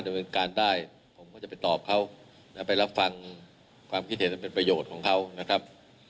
ส่วนเจ็ดพักแล้วนะครับ